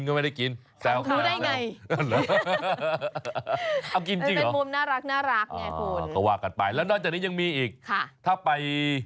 ทำรู้ได้ไง